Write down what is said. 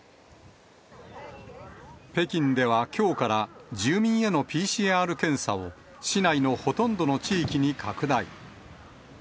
北京ではきょうから住民へのＰＣＲ検査を市内のほとんどの地域に拡大。